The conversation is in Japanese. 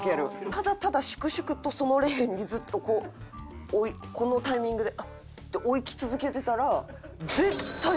ただただ粛々とそのレーンにずっとこうこのタイミングで置き続けてたら。